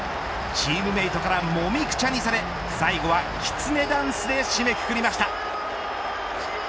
チームメートからもみくちゃにされ最後はキツネダンスで締めくくりました。